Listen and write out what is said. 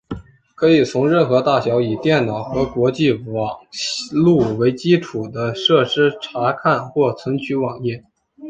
可以从任何大小以电脑和网际网路为基础的设备查看或存取网页。